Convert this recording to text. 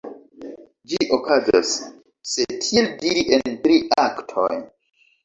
Ĝi okazas, se tiel diri, en tri aktoj.